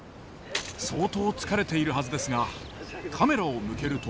相当疲れているはずですがカメラを向けると。